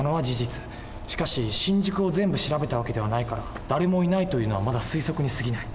しかし新宿を全部調べた訳ではないから誰もいないというのはまだ推測にすぎない。